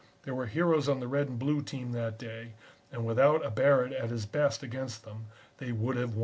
There were heroes on the Red and Blue team that day, and without a Barrett at his best against them, they would have won.